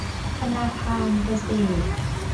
ธนาคารเกษตร